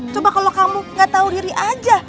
coba kalau kamu gak tahu riri aja